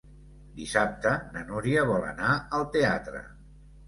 Dissabte na Núria vol anar al teatre.